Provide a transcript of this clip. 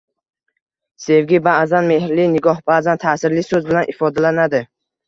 Sevgi ba’zan mehrli nigoh, ba’zan ta’sirli so‘z bilan ifodalanadi.